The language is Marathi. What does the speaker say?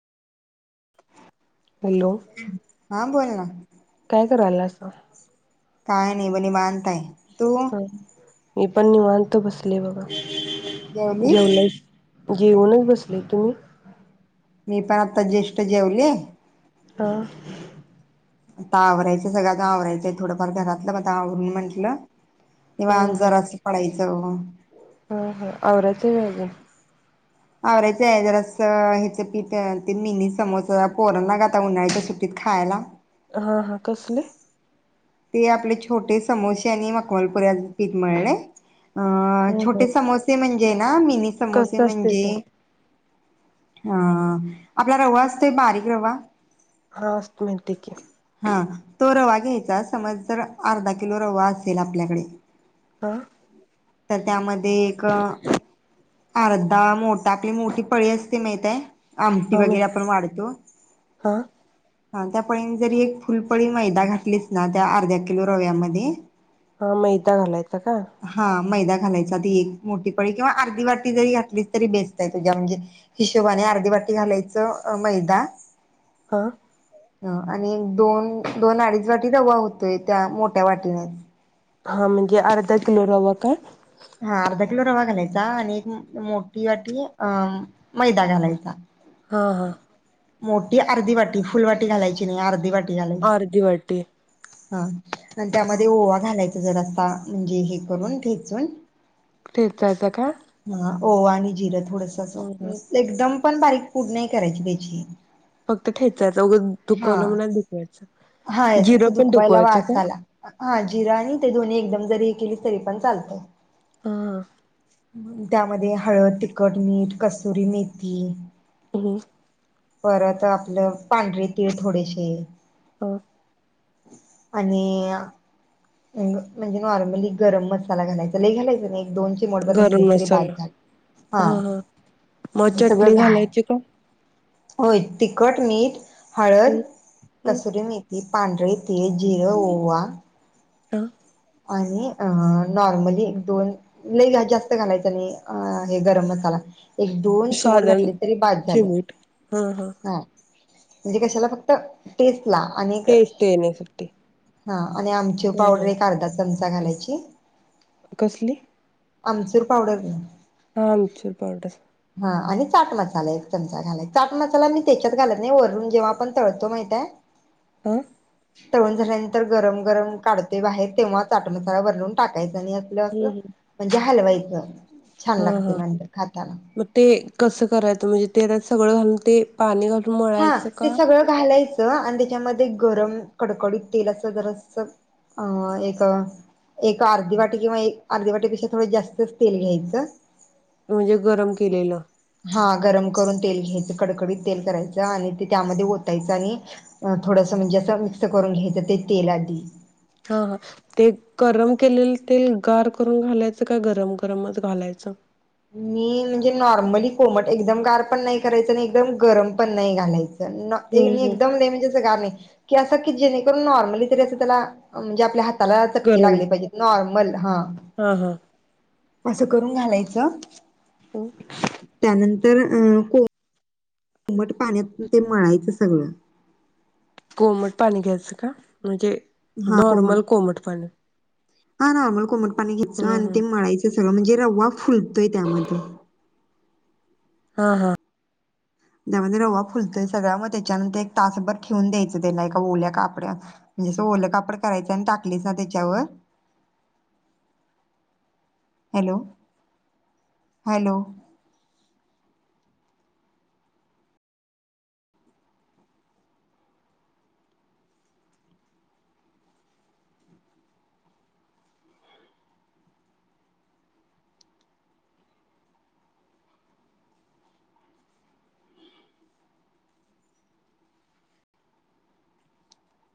हॅलो हा बोलना. हा काय करायला सा काय नाही ब निवांत हाय ह मी पण निवांत बसले बघा जेवलीस जेवुनच बसले तुम्ही मी पण आता ज्येष्ठ जेवले ह आता आवरायचं सगळं आवरायचंय थोडंफार घरातलं मता आवरून म्हंटलं हा निवांत हा जरास पडायच हा हा आवरायचं व्हय अजून आवरायचं आहे जरास हेच पीठ ते मिनी समोसा पोरण ला ग आता उन्हाळ्याच्या सुट्टीत खायला हा, हा कसले ते आपले छोटे समोसे आणि मखमलपुऱ्याच पीठ मळलय अ हा हा छोटे समोसे म्हणजे ना मिनी समोसे कसं असते म्हणजे ते हा आपला रवा असतोय बारीक रवा हा असतोय माहिती हाय की हा तो रवा घ्यायचा समज जर अर्धा किलो रवा असेल आपल्याकडे आ तर त्यामध्ये एक अर्धा मोठा आपली मोठी पळी असते माहिती य आमटी हा मा वगैरे आपण वाढतो हा हा त्या पळीने जरी एक फुलपळी मैदा घातलीस ना त्या अर्ध्या किलो रव्यामध्ये हा मैदा घालायचं का घालायच मोठी पळी किंवा अर्धी वाटी जरी घातली तरी बेस्ट आहे तुझ्या म्हणजे हिशोबाने अर्धी वाटी घालायचं मैदा हा हा आणि दोन दोन अडीच वाटी रवा होतोय त्या मोठ्या वाटीनच हां म्हणजे अर्धा किलो रवा काय हा अर्धा किलो रवा घालायचा आणि एक मोठी वाटी अ मैदा घालायचा हं, हं मोठी आर्धी वाटी फुल वाटी घालायची नाही आर्धी वा आर्धी वाटी हां आणि त्यामध्ये ओवा घालाय चा जरासा म्हणजे हे करून ठेचून ठेचायचा का हो आणि जीर थोडस असं हा एकदम पण बारीक पूड नाही करायची त्याची. फक्त ठेचायचा उगच दुखवलं हां, म्हणून दुखवायचं हांय जिरं सं पण दुखवायला दुखवायचं का वासाला. हां जिरं आणि ते दोन्ही एकदम जरी केली तरी पण चालतंयय. हां मंग त्यामध्ये हळद तिखट मीठ कसुरी मेथी. [unintelligible] परत आपलं पांढरे तीळ थोडेसे. हो आणिय, म म्हणजे नॉर्मली गरम मसाला घालायचा लई घालाय् [unintelligible] गरम मसाला. हा हं-हं म हे सगळं चटणी घाल घालायची का? होय, तिखट मीठ हळद, हम्म हम्म कसुरी मेत ती पांढळं तीळ, जिरं, ओवा. अं आणि अ नॉर्मली दोन, लय गा जास्त घालायचं नाही अं हे गरम मसाला. एक दोन चिमुट साधारण घातली तरी बास झालं. चिमूट हा हा हां म्हणजे कशाला फक्त तेस् टेस्ट येण्यासाठी. हां आणि आमची ह ह पावडर एक अर्धा म्चा घालायची. कसली? आमचूर पावडर ग. हां आमचूर पावडर. हां, आणि चाट मसाला एक चमचा घालाय. चाट मसाला मी त्याच्यात घालत नाही वरून जेव्हां आपण तळतो माहितेय अं तळून झाल्यानंतर गरम गरम काढते बाहेर तेंव्हा चाट मसाला वरून टाकाय् आणि आपलं हम्म असं हम्म म्हणजे हलवायचं, छान हा हा लागतं म न खाताना. तगळं घालून ते पाणी घाल हा ते सगळं घालायच्. तळं आणि त्यामध्ये गरम कडकडीत तेल असं जरासं अं एक, एक अर्धी वाटी किंवा एक अर्धी वाटीपेक्षा थोडं जास्तच तेल घ्यायचं. म्हणजे गरम केलेलं. हां गरम करून तेल घ्यायचं कडकडीत तेल करायचं, आणि ते त्यामध्ये ओतायचं आणि असं थोडंसं म्हणजे असं मिक्स करून घ्यायचं ते तेल आधी. हां-हां, ते गरम केलेलं तेल गार करून घालायचं काय गरम गरमच घालायचं? मी म्हणजे नॉर्मली कोमट एकदम गार पण नाही करायचं आणि एकदम गरम पण नाही घालायचं. ना, हम्म तेल हम्म एकदम लय म्हणजे असं गार नाही. के असं जेणेकरून नॉर्मली तरी असं त्याला, म्हणजे आपल्या हात त्याला चटके गरम लागले पाहिजेत नॉर्मल. हा हा हा असं करून घालायचं. [inaudible] आम् त्यानंतर अ को मट पाण्यातून मळायच सगळ कोमट पाणी घ्यायचं का म्हणजे? नॉर्मल कोमट पाणी हा नॉर्मल कोमट ह घ्यायचं आणि ह ते मळायच खर म्हणजे रवा फुलतोय त्यामध्ये हा, हा त्यामध्ये रवा फुलतोय सगळा मग त्याच्यानंतर एक तासभर ठेऊन द्यायचं. त्याला एका ओल्या कापड्यात असं ओलं कापड करायचं आणि टाकलं ना त्याच्यावर हॅलो, हॅलो